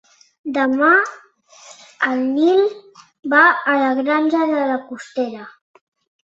Demà en Nil va a la Granja de la Costera.